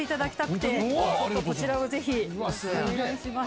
こちらをぜひお願いします。